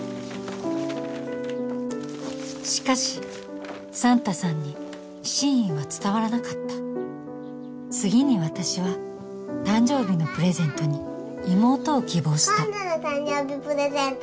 しかしサンタさんに真意は伝わらなかった次に私は誕生日のプレゼントに妹を希望した今度の誕生日プレゼント